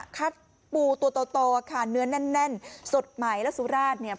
คัดปูตัวโตค่ะเนื้อแน่นสดใหม่และสุราชเนี่ย